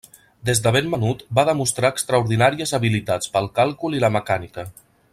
Des de ben menut va demostrar extraordinàries habilitats pel càlcul i la mecànica.